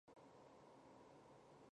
后来又担任左转骑都尉。